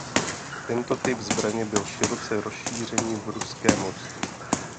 Tento typ zbraně byl široce rozšířený v ruském loďstvu.